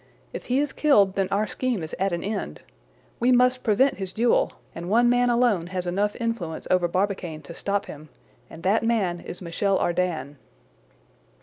If he is killed, then our scheme is at an end. We must prevent his duel; and one man alone has enough influence over Barbicane to stop him, and that man is Michel Ardan."